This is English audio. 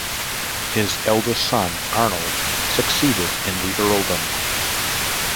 His eldest son Arnold succeeded in the earldom.